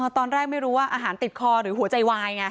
ตอนแรกไม่รู้ว่าอาหารติดคอหรือหัวใจวายไง